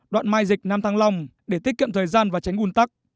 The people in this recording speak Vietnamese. đoạn mai dịch năm tháng năm để tiết kiệm thời gian và tránh gùn tắc